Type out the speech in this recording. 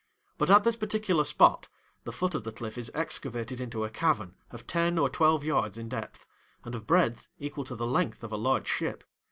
But at this particular spot, the foot of the cliff is excavated into a cavern of ten or twelve yards in depth, and of breadth equal to the length of a large ship.